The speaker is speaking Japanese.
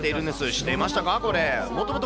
知っていましたか？